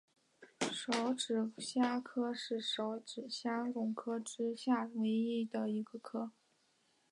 匙指虾科是匙指虾总科之下唯一的一个科。